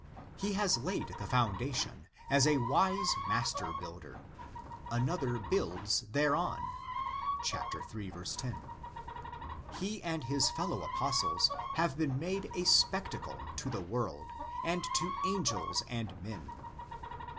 He has laid the foundation as a wise master builder ; another builds thereon (ii. 10). He and his fellow Apostles have been made a spectacle to the world and to angels and men (iv.